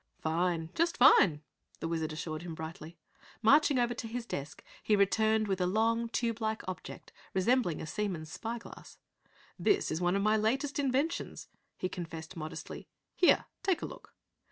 "Fine, just fine!" The Wizard assured him brightly. Marching over to his desk, he returned with a long, tube like object resembling a seaman's spy glass. "This is one of my latest inventions," he confessed modestly. "Here, take a look."